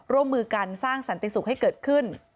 ร่วมมือกันสร้างสันติสุขให้เกิดขึ้น